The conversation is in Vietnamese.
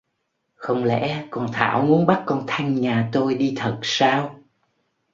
Không lẽ con thảo muốn bắt con thanh nhà tôi đi thật sao